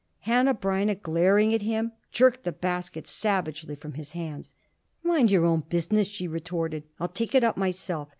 Hanneh Breineh, glaring at him, jerked the basket savagely from his hands. "Mind your own business," she retorted. "I'll take it up myself.